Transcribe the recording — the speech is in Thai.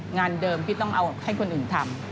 งานเดิมที่ต้องเอาให้คนอื่นทำ